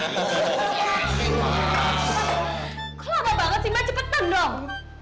kok lama banget si mbak cepetan dong